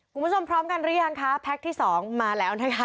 คุณผู้ชมพร้อมกันรึยังคะแพ็คที่๒มาแล้วนะคะ